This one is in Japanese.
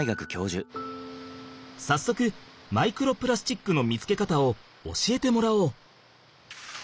さっそくマイクロプラスチックの見つけ方を教えてもらおう。